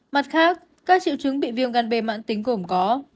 mặt khác các triệu chứng bị viêm gan b mạng tính cũng có